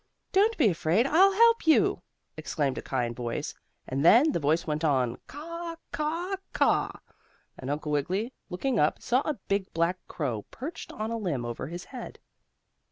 "Don't be afraid, I'll help you!" exclaimed a kind voice, and then the voice went on: "Caw! Caw! Caw!" and Uncle Wiggily, looking up, saw a big black crow perched on a limb over his head.